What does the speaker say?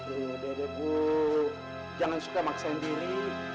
udah deh bu jangan suka maksain diri